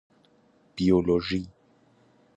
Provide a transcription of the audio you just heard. بیولوژی